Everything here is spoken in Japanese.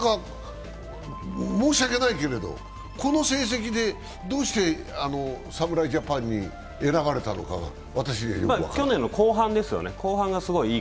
申し訳ないけれども、この成績でどうして侍ジャパンに選ばれたのかが私にはよく分からない。